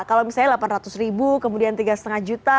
kalau misalnya delapan ratus ribu kemudian tiga lima juta